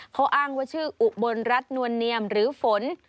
เขาอ้างว่าชื่ออุบลรัฐนวลเนียมหรือฝน